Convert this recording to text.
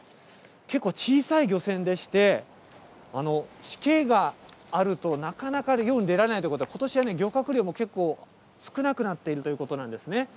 結構小さい漁船でして、しけがあると、なかなか漁に出られないということで、ことしはね、漁獲量も結構少なくなっているということなんですね。